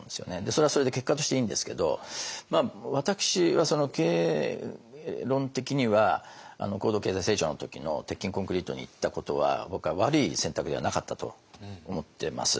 それはそれで結果としていいんですけど私は経営論的には高度経済成長の時の鉄筋コンクリートにいったことは僕は悪い選択ではなかったと思ってます。